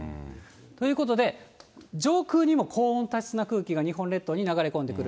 ということで、上空にも高温多湿な空気が日本列島に流れ込んでくる。